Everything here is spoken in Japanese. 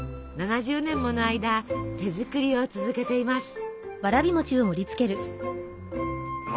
７０年もの間手作りを続けています。